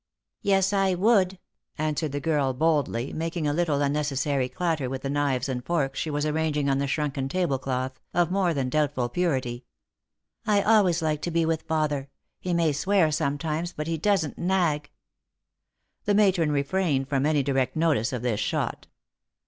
" Yes, I would," answered the girl boldly, making a little unnecessary clatter with the knives and forks she was arranging on the shrunken tablecloth, of more than doubtful purity; "I always like to be with father. He may swear sometimes, but he doesn't nag." The matron refrained from any direct notice of this shot.